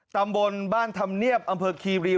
ตำบลบ้านธรรมเนียบอำเภอคีรี